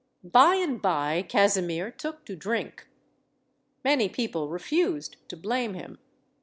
By and by, Casimir took to drink. Many people refused to blame him.